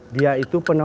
dia itu penjualan